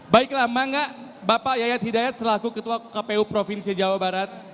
baiklah mangga bapak yayat hidayat selaku ketua kpu provinsi jawa barat